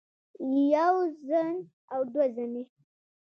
يوه زن او دوه زنې